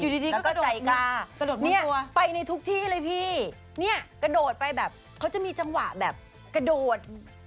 แล้วก็ใจกล้าไปในทุกที่เลยพี่เนี่ยกระโดดไปแบบเขาจะมีจังหวะแบบกระโดด